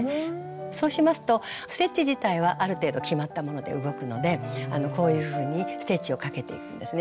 そうしますとステッチ自体はある程度決まったもので動くのでこういうふうにステッチをかけていくんですね。